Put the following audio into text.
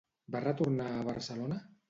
Va retornar a Barcelona?